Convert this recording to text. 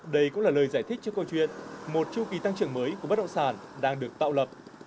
đây cũng là lời giải thích cho câu chuyện một chư kỳ tăng trưởng mới của bất động sản đang được tạo lập